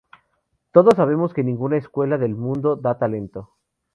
Todos sabemos que ninguna escuela del mundo da talento.